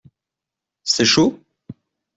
C’est chaud ?